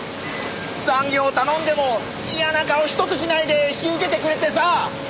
残業頼んでも嫌な顔ひとつしないで引き受けてくれてさ。